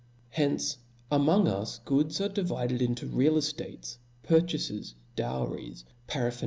Hence among us, goods are di vided into feal eftates, purchafes, dowries, parapher